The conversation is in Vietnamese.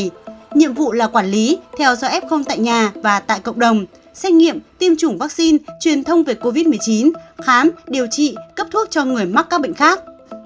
vì vậy nhiệm vụ là quản lý theo dõi f tại nhà và tại cộng đồng xét nghiệm tiêm chủng vaccine truyền thông về covid một mươi chín khám điều trị cấp thuốc cho người mắc các bệnh khác